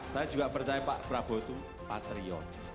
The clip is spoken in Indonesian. saya juga percaya pak prabowo itu patriot